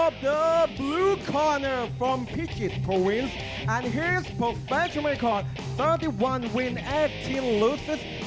ขอบคุณสวัสดีสินะมวยไทยไฟเตอร์